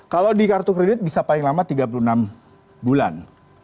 kalau di kartu kredit bisa paling lama tiga puluh enam bulan